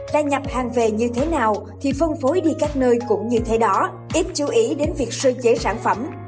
đang nhập hàng về như thế nào thì phân phối đi các nơi cũng như thế đó ít chú ý đến việc sơ chế sản phẩm